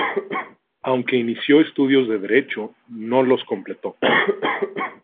Aunque inició estudios de derecho, no los completó.